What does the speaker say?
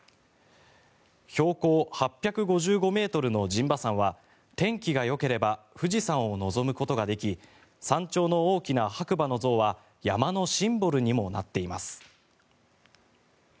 標高８５５ｍの陣馬山は天気がよければ富士山を望むことができ山頂の大きな白馬の像は山のシンボルにもなっています。